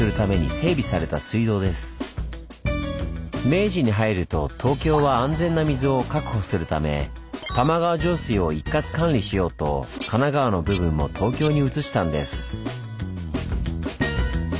明治に入ると東京は安全な水を確保するため玉川上水を一括管理しようと神奈川の部分も東京に移したんです。